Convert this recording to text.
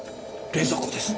冷蔵庫です！